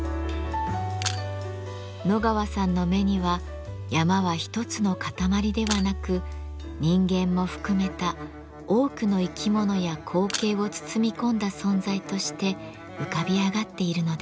野川さんの目には山は一つの塊ではなく人間も含めた多くの生き物や光景を包み込んだ存在として浮かび上がっているのです。